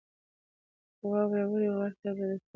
که واوره ووري، غره ته به د سکرت لپاره لاړ شو.